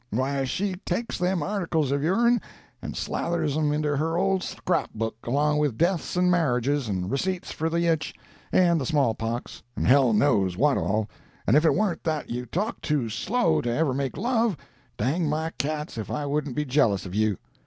Why she takes them articles of yourn, and slathers 'em into her old scrap book, along with deaths and marriages, and receipts for the itch, and the small pox, and hell knows what all, and if it warn't that you talk too slow to ever make love, dang my cats if I wouldn't be jealous of you.